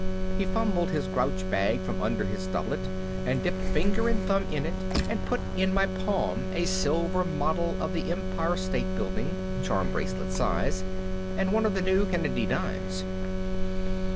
He fumbled his grouch bag from under his doublet and dipped finger and thumb in it, and put in my palm a silver model of the Empire State Building, charm bracelet size, and one of the new Kennedy dimes.